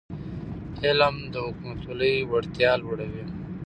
علم د حکومتولی وړتیا لوړوي.